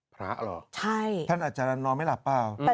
พระเหรอท่านอาจารย์นอนไม่หลับเปล่าใช่